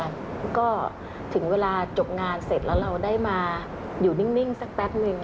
แล้วก็ถึงเวลาจบงานเสร็จแล้วเราได้มาอยู่นิ่งสักแป๊บนึง